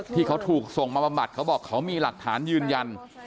ที่เขาถูกส่งมาบำบัดเขาบอกเขามีหลักฐานยืนยัน